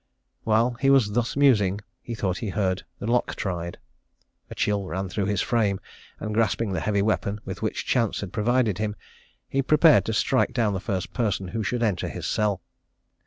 While he was thus musing, he thought he heard the lock tried. A chill ran through his frame, and grasping the heavy weapon, with which chance had provided him, he prepared to strike down the first person who should enter his cell.